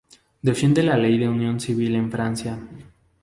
Defiende la ley de unión civil en Francia.